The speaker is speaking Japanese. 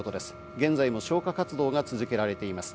現在も消火活動が続けられています。